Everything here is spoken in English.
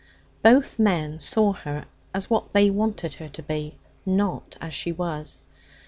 Both men saw her as what they wanted her to be, not as she was.